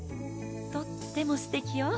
とってもすてきよ！